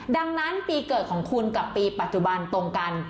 ดังนั้นปีเกิดของคุณกับปีปัจจุบันตรงกัน